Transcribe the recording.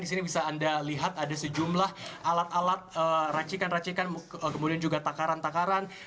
di sini bisa anda lihat ada sejumlah alat alat racikan racikan kemudian juga takaran takaran